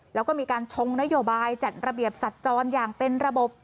แล้วก็มีการชงนโยบายจัดระเบียบสัตว์จรอย่างเป็นระบบ